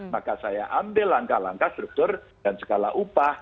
maka saya ambil langkah langkah struktur dan skala upah